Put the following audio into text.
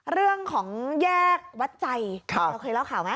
เรื่องของแยกวัดใจเราเคยเล่าข่าวไหม